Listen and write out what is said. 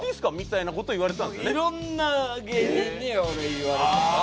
色んな芸人に俺言われてた。